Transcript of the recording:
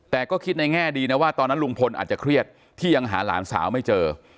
แต่ก็คิดในแง่ดีนะว่าตอนนั้นลุงพลอาจจะเครียดที่ยังหาหลานสาวไม่เจอ